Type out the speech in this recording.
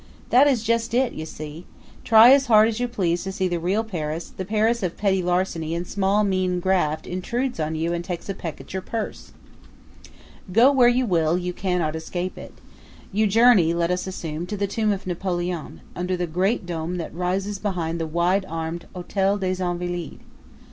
That is just it, you see. Try as hard as you please to see the real Paris, the Paris of petty larceny and small, mean graft intrudes on you and takes a peck at your purse. Go where you will, you cannot escape it. You journey, let us assume, to the Tomb of Napoleon, under the great dome that rises behind the wide armed Hotel des Invalides.